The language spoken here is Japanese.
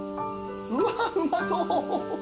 うわうまそう。